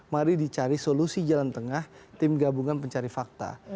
mari dicari solusi jalan tengah tim gabungan pencari fakta